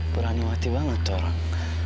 berani mati banget tuh orang